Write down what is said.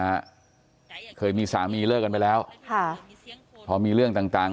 เคยมีสามีเลิกกันไปแล้วค่ะพอมีเรื่องต่างต่าง